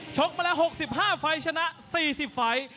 กมาแล้ว๖๕ไฟล์ชนะ๔๐ไฟล์